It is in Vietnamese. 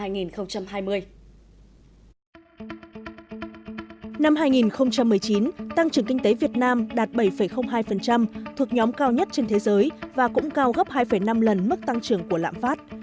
năm hai nghìn một mươi chín tăng trưởng kinh tế việt nam đạt bảy hai thuộc nhóm cao nhất trên thế giới và cũng cao gấp hai năm lần mức tăng trưởng của lãm phát